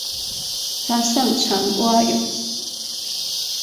他擅长蛙泳。